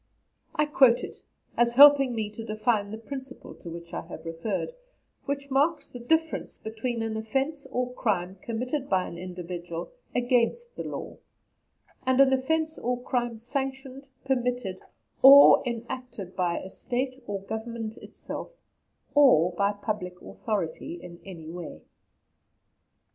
I quote it, as helping me to define the principle to which I have referred, which marks the difference between an offence or crime committed by an individual against the law, and an offence or crime sanctioned, permitted, or enacted by a State or Government itself, or by public authority in any way.